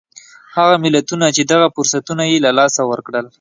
هغه ملتونه دي چې دغه فرصتونه یې له لاسه ورکړل.